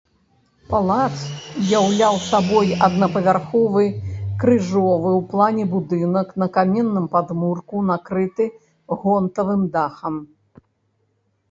Палац уяўляў сабой аднапавярховы крыжовы ў плане будынак на каменным падмурку, накрыты гонтавым дахам.